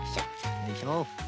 よいしょ。